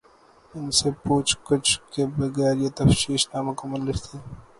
ان سے پوچھ گچھ کے بغیر یہ تفتیش نامکمل رہتی۔